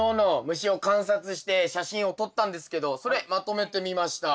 虫を観察して写真を撮ったんですけどそれまとめてみました。